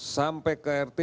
sampai ke rt